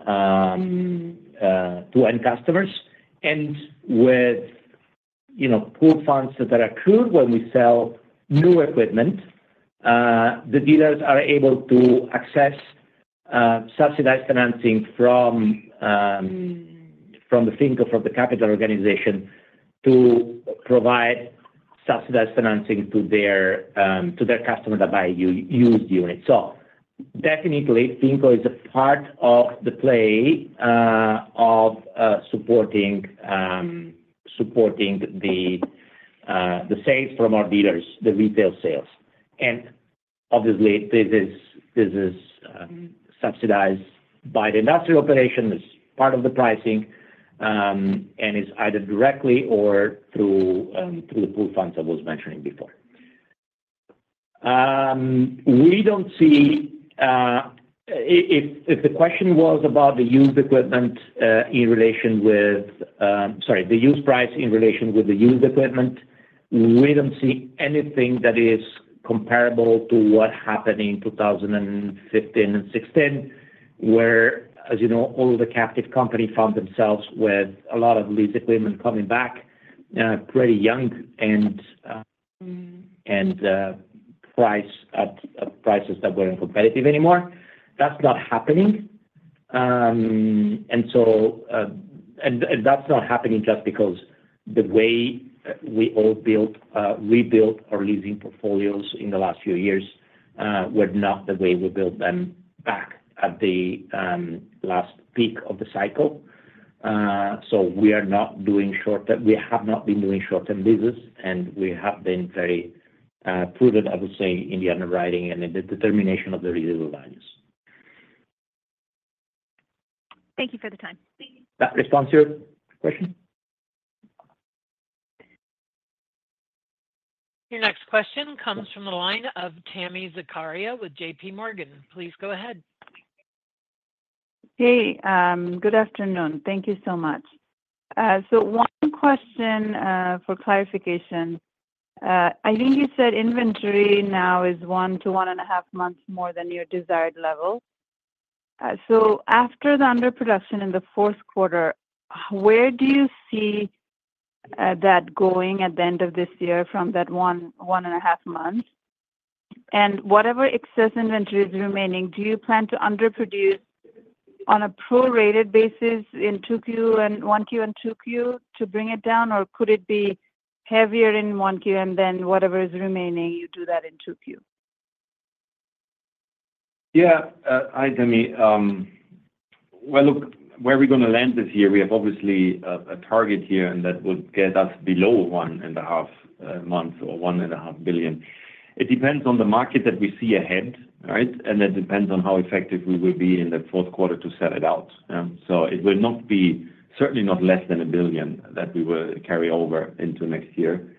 end customers. And with coupons that are accrued when we sell new equipment, the dealers are able to access subsidized financing from the FinCo, from the capital organization, to provide subsidized financing to their customer that buys used units. So definitely, FinCo is a part of the play of supporting the sales from our dealers, the retail sales. And obviously, this is subsidized by the industrial operation. It's part of the pricing, and it's either directly or through the coupons I was mentioning before. We don't see if the question was about the used equipment in relation with, sorry, the used price in relation with the used equipment, we don't see anything that is comparable to what happened in 2015 and 2016, where, as you know, all the captive companies found themselves with a lot of lease equipment coming back pretty young and prices that weren't competitive anymore. That's not happening, and that's not happening just because the way we all rebuilt our leasing portfolios in the last few years were not the way we built them back at the last peak of the cycle, so we are not doing short-term; we have not been doing short-term business, and we have been very prudent, I would say, in the underwriting and in the determination of the residual values. Thank you for the time. That responds to your question? Your next question comes from the line of Tami Zakaria with JPMorgan. Please go ahead. Hey. Good afternoon. Thank you so much. So one question for clarification. I think you said inventory now is one to one and a half months more than your desired level. So after the underproduction in the fourth quarter, where do you see that going at the end of this year from that one and a half months? And whatever excess inventory is remaining, do you plan to underproduce on a prorated basis in 2Q and 1Q and 2Q to bring it down, or could it be heavier in 1Q and then whatever is remaining, you do that in 2Q? Yeah. Hi, Tami. Well, look, where are we going to land this year? We have obviously a target here, and that would get us below 1.5 months or $1.5 billion. It depends on the market that we see ahead, right? And that depends on how effective we will be in the fourth quarter to sell it out. So it will certainly not be less than $1 billion that we will carry over into next year.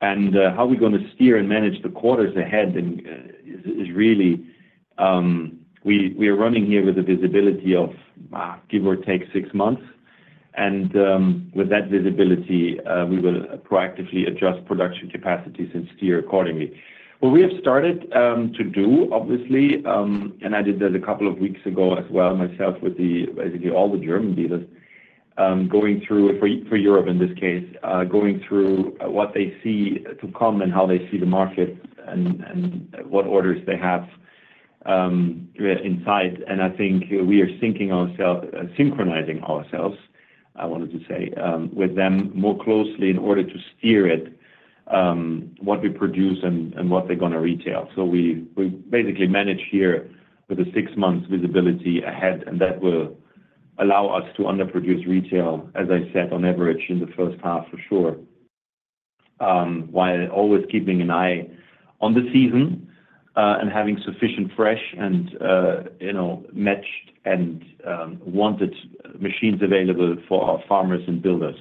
And how we are going to steer and manage the quarters ahead is really we are running here with a visibility of, give or take, six months. And with that visibility, we will proactively adjust production capacities and steer accordingly. What we have started to do, obviously, and I did that a couple of weeks ago as well myself with basically all the German dealers, going through for Europe in this case, going through what they see to come and how they see the market and what orders they have in sight. And I think we are synchronizing ourselves, I wanted to say, with them more closely in order to steer what we produce and what they're going to retail. So we basically manage here with a six-month visibility ahead, and that will allow us to underproduce retail, as I said, on average in the first half for sure, while always keeping an eye on the season and having sufficient fresh and matched and wanted machines available for our farmers and builders.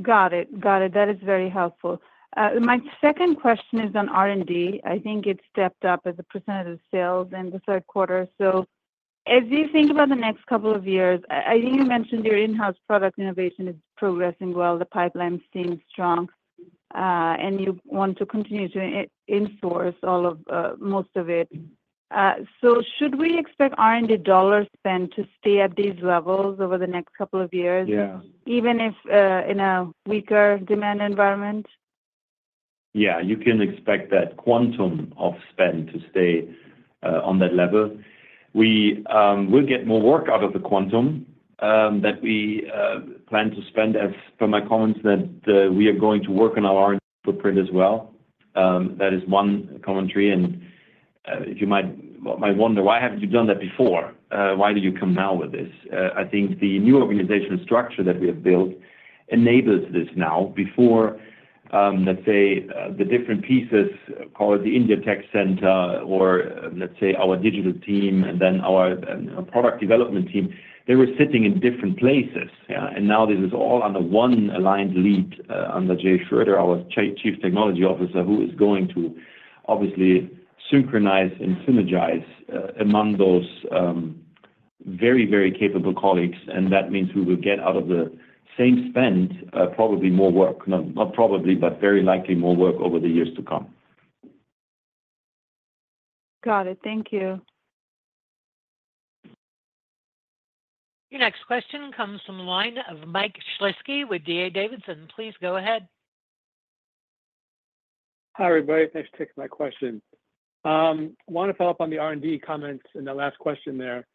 Got it. Got it. That is very helpful. My second question is on R&D. I think it stepped up as a percentage of sales in the third quarter. So as you think about the next couple of years, I think you mentioned your in-house product innovation is progressing well. The pipeline seems strong, and you want to continue to in-source most of it. So should we expect R&D dollar spend to stay at these levels over the next couple of years, even if in a weaker demand environment? Yeah. You can expect that quantum of spend to stay on that level. We will get more work out of the quantum that we plan to spend. As per my comments, that we are going to work on our R&D footprint as well. That is one commentary. And if you might wonder, "Why haven't you done that before? Why did you come now with this?" I think the new organizational structure that we have built enables this now. Before, let's say, the different pieces called the India Tech Center or, let's say, our digital team and then our product development team, they were sitting in different places. And now this is all under one aligned lead under Jay Schroeder, our Chief Technology Officer, who is going to obviously synchronize and synergize among those very, very capable colleagues. That means we will get out of the same spend probably more work, not probably, but very likely more work over the years to come. Got it. Thank you. Your next question comes from the line of Mike Shlisky with D.A. Davidson. Please go ahead. Hi, everybody. Thanks for taking my question. I want to follow up on the R&D comments in the last question there.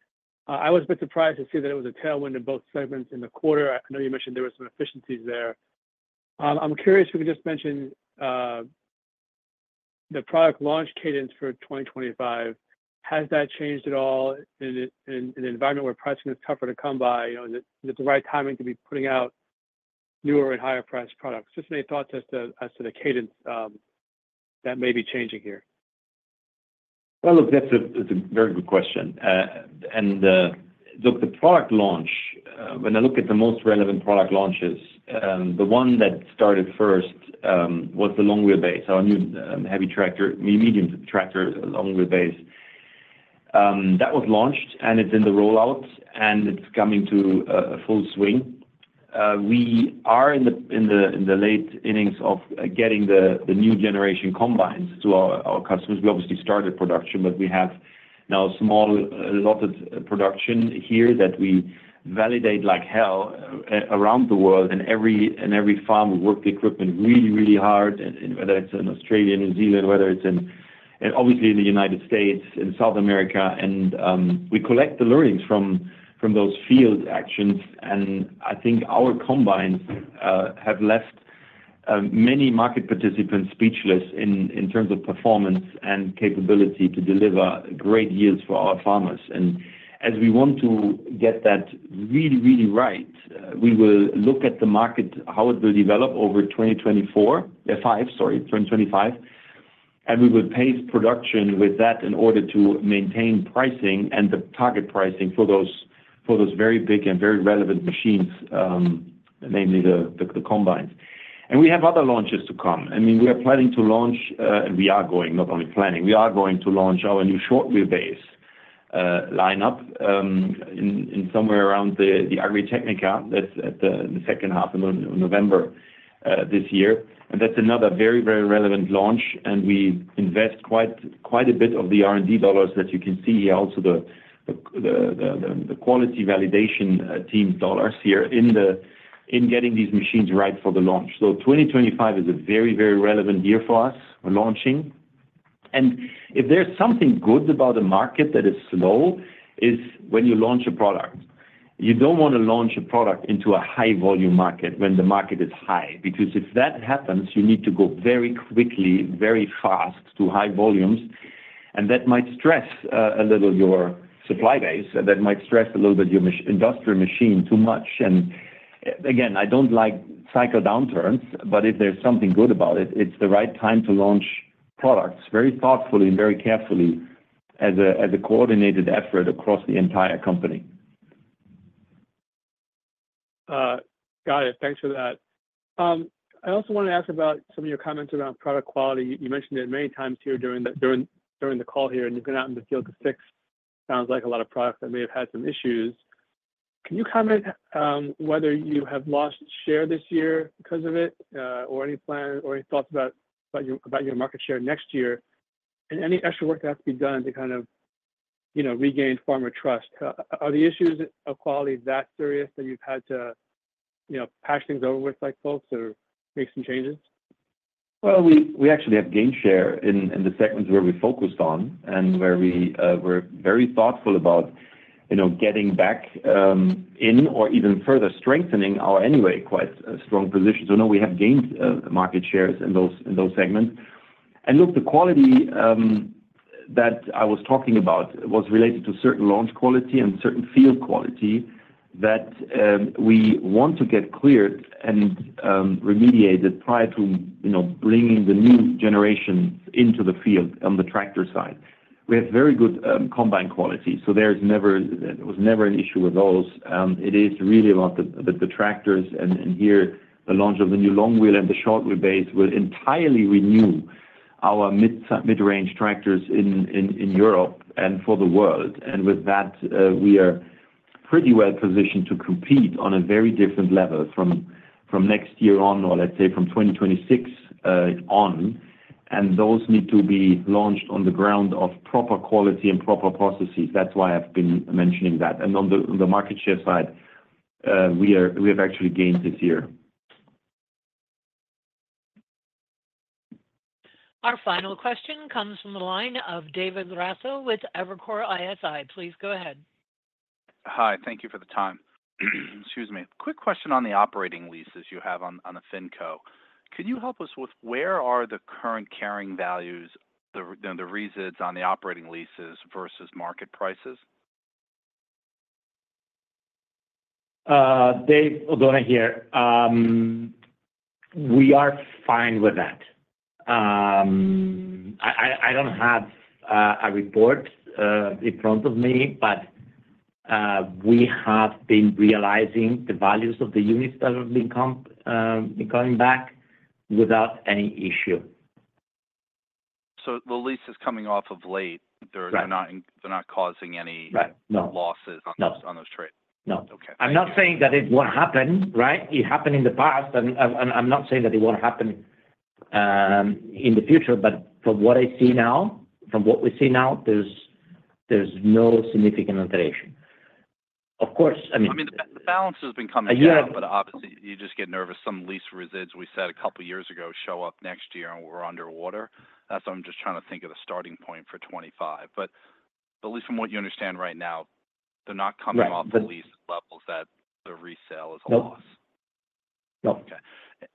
I was a bit surprised to see that it was a tailwind in both segments in the quarter. I know you mentioned there were some efficiencies there. I'm curious if you could just mention the product launch cadence for 2025. Has that changed at all in an environment where pricing is tougher to come by? Is it the right timing to be putting out newer and higher-priced products? Just any thoughts as to the cadence that may be changing here? Look, that's a very good question. Look, the product launch, when I look at the most relevant product launches, the one that started first was the Long Wheelbase, our new heavy tractor, medium tractor, Long Wheelbase. That was launched, and it's in the rollout, and it's coming to a full swing. We are in the late innings of getting the new generation combines to our customers. We obviously started production, but we have now small, allotted production here that we validate like hell around the world. And every farm will work the equipment really, really hard, whether it's in Australia, New Zealand, whether it's in, obviously, in the United States, in South America. And we collect the learnings from those field actions. And I think our combines have left many market participants speechless in terms of performance and capability to deliver great yields for our farmers. And as we want to get that really, really right, we will look at the market, how it will develop over 2024, 2025, sorry, 2025. And we will pace production with that in order to maintain pricing and the target pricing for those very big and very relevant machines, namely the combines. And we have other launches to come. I mean, we are planning to launch, and we are going, not only planning. We are going to launch our new Short Wheelbase lineup somewhere around the Agritechnica that's in the second half of November this year. And that's another very, very relevant launch. And we invest quite a bit of the R&D dollars that you can see here, also the quality validation team dollars here in getting these machines right for the launch. So 2025 is a very, very relevant year for us for launching. And if there's something good about a market that is slow, it's when you launch a product. You don't want to launch a product into a high-volume market when the market is high. Because if that happens, you need to go very quickly, very fast to high volumes. And that might stress a little your supply base, and that might stress a little bit your industrial machine too much. And again, I don't like cycle downturns, but if there's something good about it, it's the right time to launch products very thoughtfully and very carefully as a coordinated effort across the entire company. Got it. Thanks for that. I also want to ask about some of your comments around product quality. You mentioned it many times here during the call here, and you've been out in the field to fix, sounds like, a lot of products that may have had some issues. Can you comment on whether you have lost share this year because of it or any thoughts about your market share next year and any extra work that has to be done to kind of regain farmer trust? Are the issues of quality that serious that you've had to patch things over with like folks or make some changes? We actually have gained share in the segments where we focused on and where we were very thoughtful about getting back in or even further strengthening our anyway quite strong position. Now we have gained market shares in those segments. Look, the quality that I was talking about was related to certain launch quality and certain field quality that we want to get cleared and remediated prior to bringing the new generation into the field on the tractor side. We have very good combine quality, so there was never an issue with those. It is really about the tractors. Here, the launch of the new Long Wheelbase and the Short Wheelbase will entirely renew our mid-range tractors in Europe and for the world. With that, we are pretty well positioned to compete on a very different level from next year on or, let's say, from 2026 on. Those need to be launched on the ground of proper quality and proper processes. That's why I've been mentioning that. On the market share side, we have actually gained this year. Our final question comes from the line of David Raso with Evercore ISI. Please go ahead. Hi. Thank you for the time. Excuse me. Quick question on the operating leases you have on the FinCo. Could you help us with where are the current carrying values, the reasons on the operating leases versus market prices? David over here. We are fine with that. I don't have a report in front of me, but we have been realizing the values of the units that have been coming back without any issue. So the lease is coming off of late. They're not causing any losses on those trades? No. No. I'm not saying that it won't happen, right? It happened in the past, and I'm not saying that it won't happen in the future. But from what I see now, from what we see now, there's no significant alteration. Of course, I mean. I mean, the balance has been coming down, but obviously, you just get nervous. Some lease residual we said a couple of years ago show up next year, and we're underwater. That's why I'm just trying to think of the starting point for 2025. But at least from what you understand right now, they're not coming off the lease levels that the resale is a loss. No. No. Okay.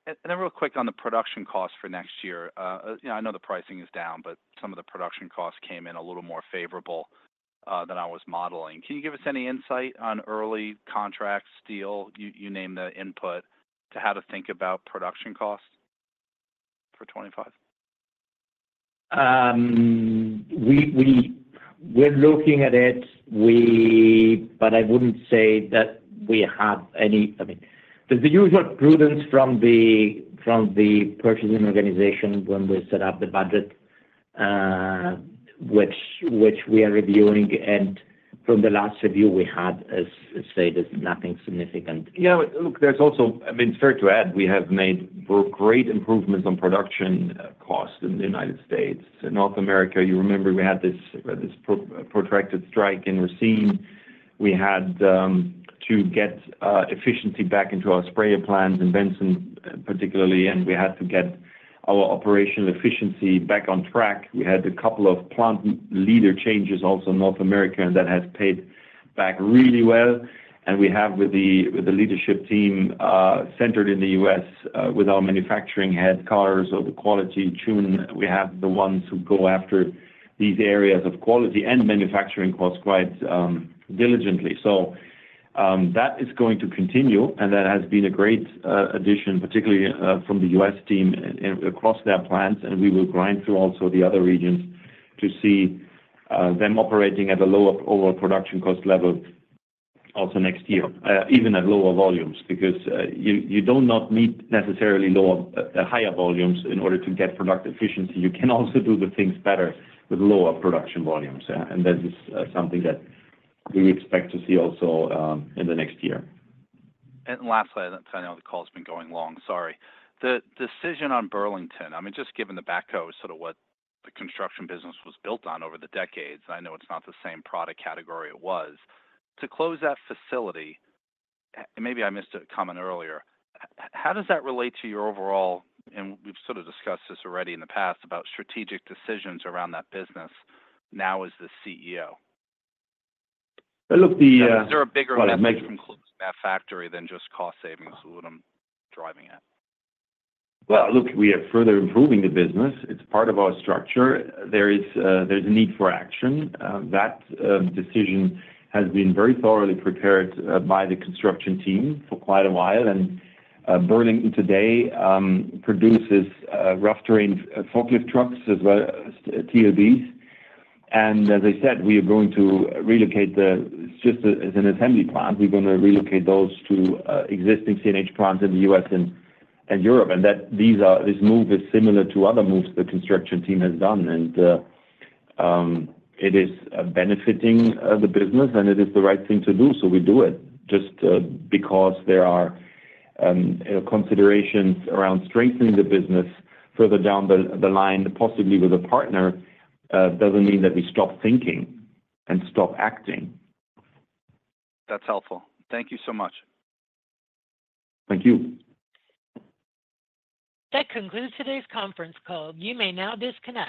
And then real quick on the production costs for next year. I know the pricing is down, but some of the production costs came in a little more favorable than I was modeling. Can you give us any insight on early contract steel? You named the input to how to think about production costs for 2025? We're looking at it, but I wouldn't say that we have any. I mean, there's the usual prudence from the purchasing organization when we set up the budget, which we are reviewing, and from the last review we had, as I say, there's nothing significant. Yeah. Look, there's also, I mean, it's fair to add, we have made great improvements on production costs in the United States. In North America, you remember we had this protracted strike in Racine. We had to get efficiency back into our sprayer plants in Benson particularly, and we had to get our operational efficiency back on track. We had a couple of plant leader changes also in North America, and that has paid back really well. And we have with the leadership team centered in the U.S., with our manufacturing head, Carl Göransson, or the quality team, we have the ones who go after these areas of quality and manufacturing costs quite diligently. So that is going to continue, and that has been a great addition, particularly from the U.S. team across their plants. And we will grind through also the other regions to see them operating at a lower overall production cost level also next year, even at lower volumes. Because you do not need necessarily lower or higher volumes in order to get product efficiency. You can also do the things better with lower production volumes. And that is something that we expect to see also in the next year. Lastly, I don't know how the call's been going long. Sorry. The decision on Burlington, I mean, just given the backhoe is sort of what the construction business was built on over the decades, and I know it's not the same product category it was. To close that facility, and maybe I missed a comment earlier, how does that relate to your overall, and we've sort of discussed this already in the past, about strategic decisions around that business now as the CEO? Look, the. Is there a bigger message from closing that factory than just cost savings? What I'm driving at. Look, we are further improving the business. It's part of our structure. There is a need for action. That decision has been very thoroughly prepared by the construction team for quite a while. Burlington today produces rough terrain forklift trucks as well as TLBs. As I said, we are going to relocate the. It's just an assembly plant. We're going to relocate those to existing CNH plants in the U.S. and Europe. This move is similar to other moves the construction team has done. It is benefiting the business, and it is the right thing to do. We do it just because there are considerations around strengthening the business further down the line, possibly with a partner. It doesn't mean that we stop thinking and stop acting. That's helpful. Thank you so much. Thank you. That concludes today's conference call. You may now disconnect.